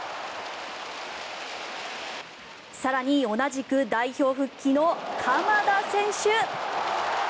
更に同じく代表復帰の鎌田選手。